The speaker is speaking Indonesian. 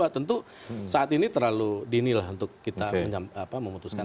tentu saat ini terlalu dini lah untuk kita memutuskan